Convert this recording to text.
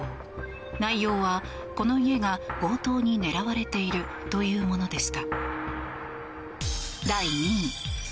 内容は、この家が強盗に狙われているというものでした。